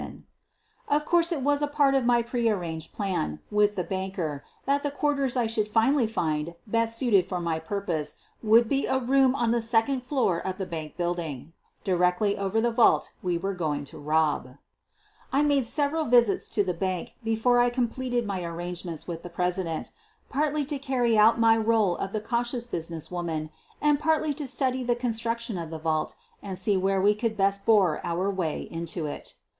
132 SOPHIE LYONS Of course, it was a part of my prearranged plan with the banker that the quarters I should finally find best suited for my purpose would be a room on the second floor of the bank building, directly over; the vault we were going to rob. I made several visits to the bank before I com pleted my arrangements with the president — partly to carry out my role of the cautious business woman and partly to study the construction of the vault and see where we could best bore our way into it.